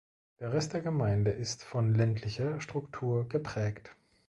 Der Rest der Gemeinde ist von ländlicher Struktur geprägt.